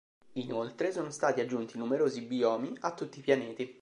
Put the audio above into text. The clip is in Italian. Inoltre sono stati aggiunti numerosi biomi a tutti i pianeti.